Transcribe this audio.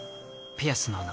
ピアスの穴